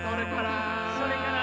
「それから」